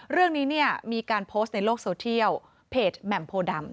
เรื่องนี้เนี่ยมีการโพสต์ในโลกโซเทียลเพจแหม่มโพดำ